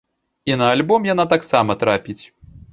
І на альбом яна таксама трапіць.